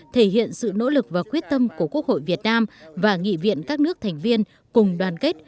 thể hiện sự nỗ lực và quyết tâm của quốc hội việt nam và nghị viện các nước thành viên cùng đoàn kết